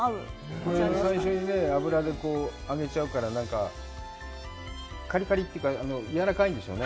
これ、最初に油で揚げちゃうから、かりかりというかやわらかいんですよね。